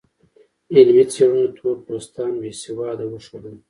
علمي څېړنو تور پوستان بې سواده وښودل.